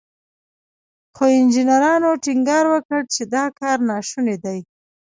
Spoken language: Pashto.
خو انجنيرانو ټينګار وکړ چې دا کار ناشونی دی.